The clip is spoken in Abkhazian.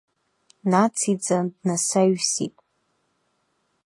Нациҵан, днасаҩсит.